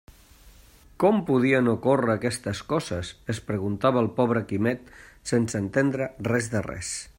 «Com podien ocórrer aquestes coses?», es preguntava el pobre Quimet sense entendre res de res.